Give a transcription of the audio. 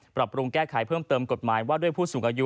ปรับปรุงแก้ไขเพิ่มเติมกฎหมายว่าด้วยผู้สูงอายุ